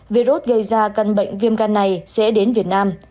virus gây ra căn bệnh viêm gan này sẽ đến việt nam